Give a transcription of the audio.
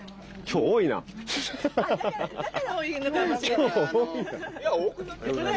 今日多いな。